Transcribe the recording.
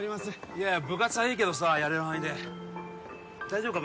いやいや部活はいいけどさやれる範囲で大丈夫か？